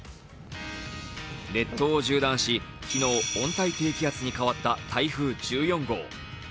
列島を縦断し、昨日、温帯低気圧に変わった台風１４号。